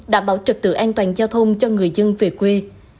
đảm bảo trực tự an toàn giao thông cho người dân về quê